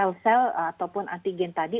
untuk mengenali sel sel ataupun antigen tadi